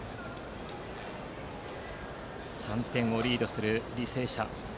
３点をリードする履正社。